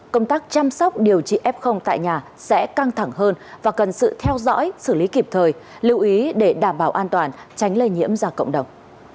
công tác chăm sóc điều trị f tại nhà sẽ căng thẳng hơn và cần sự theo dõi xử lý kịp thời lưu ý để đảm bảo an toàn tránh lây nhiễm ra cộng đồng